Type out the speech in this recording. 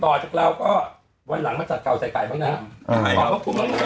แล้วครับท่อจากเราก็วันหลังมาสาดเกาไสไก่บ้างนะ